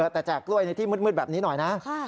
แต่แจกกล้วยในที่มืดแบบนี้หน่อยนะ